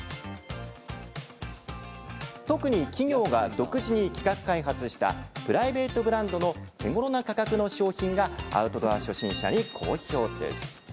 特に企業が独自に企画開発したプライベートブランドの手ごろな価格の商品がアウトドア初心者に好評です。